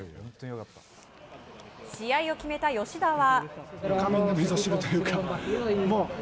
試合を決めた吉田は。